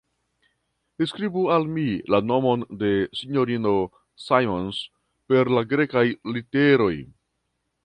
Skribu al mi la nomon de S-ino Simons per Grekaj literoj!